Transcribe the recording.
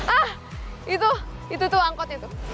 ah itu itu tuh angkotnya tuh